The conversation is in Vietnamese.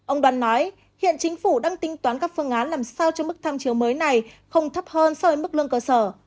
ông đoan nói hiện chính phủ đang tính toán các phương án làm sao cho mức tham chiếu mới này không thấp hơn so với mức lương cơ sở